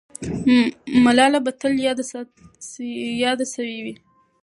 ملاله به تل یاده سوې وه.